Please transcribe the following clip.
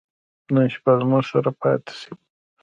نن شپه زموږ سره پاته سئ.